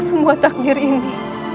semua takdir ini